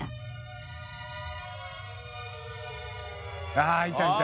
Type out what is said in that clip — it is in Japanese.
ああいたいた。